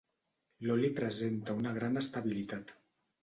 L'oli presenta una gran estabilitat.